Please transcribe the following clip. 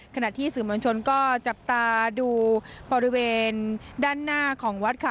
ขณะที่สื่อมวลชนก็จับตาดูบริเวณด้านหน้าของวัดค่ะ